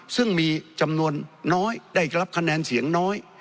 ซึ่งมีจำนวนน้อยได้รับคะแนนเสียงน้อย